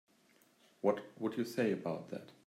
What would you say about that?